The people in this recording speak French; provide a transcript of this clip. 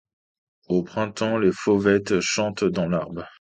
Au printemps, les fauvettes chantent dans l’arbre.